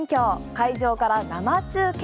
会場から生中継。